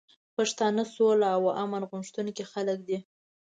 پښتانه سوله او امن غوښتونکي خلک دي.